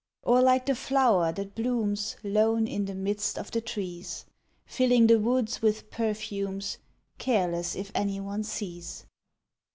OR, LIKE THE FLOWER THAT BLOOMS LONE IN THE MIDST OF THE TREES, FILLING THE WOODS WITH PERFUMES, CARELESS IF ANY ONE SEES.